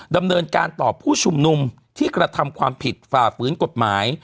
ดำเนินการต่อผู้ชุมนุมที่กระทำความผิดฝ่าฝืนกฎหมาย